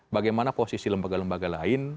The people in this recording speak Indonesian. bagaimana posisi lembaga lembaga lain